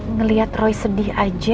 ngeliat roy sedih aja